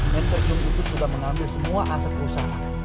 minister kim il suk sudah mengambil semua aset perusahaan